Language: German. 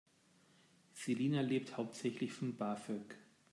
Selina lebt hauptsächlich von BAföG.